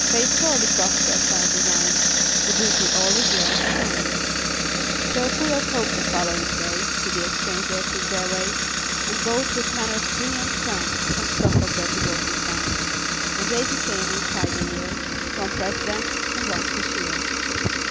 Fate surely prospers our design The booty all is yours and mine." So, full of hope, the following day To the exchange they took their way And bought, with manner free and frank, Some stock of that devoted bank; And they became, inside the year, One President and one Cashier.